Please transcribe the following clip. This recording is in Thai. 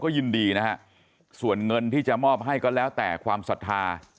ยินดีนะฮะส่วนเงินที่จะมอบให้ก็แล้วแต่ความศรัทธา